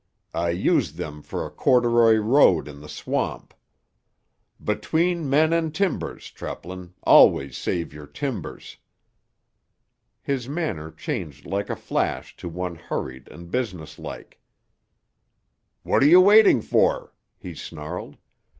I used them for a corduroy road in the swamp. Between men and timbers, Treplin, always save your timbers." His manner changed like a flash to one hurried and business like. "What're you waiting for?" he snarled.